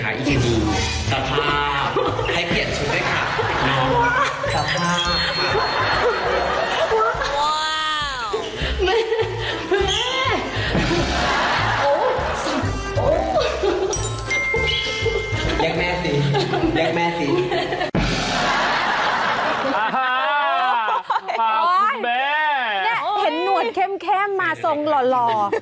อ่าฮ่าพาสุดแม่เนี่ยเห็นหนวดแข็มแขมมาส่งหล่อหล่อ